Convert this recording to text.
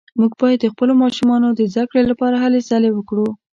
موږ باید د خپلو ماشومانو د زده کړې لپاره هلې ځلې وکړو